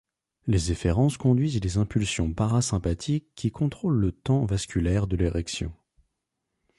Les efférences conduisent les impulsions parasympathiques qui contrôlent le temps vasculaire de l'érection.